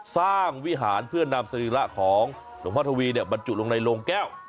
วิหารเพื่อนำสรีระของหลวงพ่อทวีบรรจุลงในโรงแก้ว